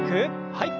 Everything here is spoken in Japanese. はい。